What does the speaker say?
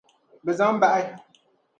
Bɛ zaŋ bahi.